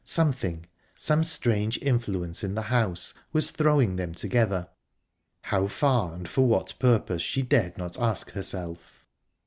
_ Something some strange influence in the house, was throwing them together...how far and for what purpose she dared not ask herself.